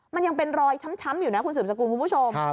มันยังเป็นรอยช้ำอยู่นะคุณสืบสกุลคุณผู้ชม